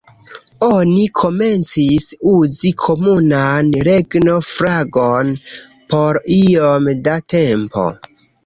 Oni komencis uzi komunan regno-flagon por iom da tempo.